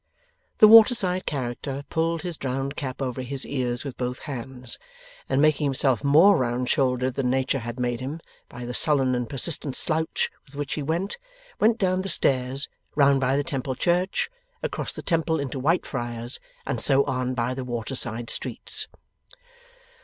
The waterside character pulled his drowned cap over his ears with both hands, and making himself more round shouldered than nature had made him, by the sullen and persistent slouch with which he went, went down the stairs, round by the Temple Church, across the Temple into Whitefriars, and so on by the waterside streets.